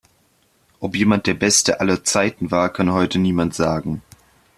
Ob jemand der Beste aller Zeiten war, kann heute niemand sagen.